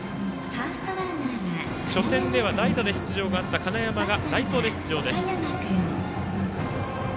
初戦では代打で出場があった金山が代走で出場です。